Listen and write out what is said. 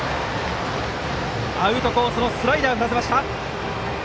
アウトコースのスライダーを振らせました。